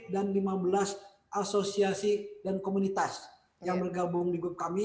dan lima belas asosiasi dan komunitas yang bergabung di grup kami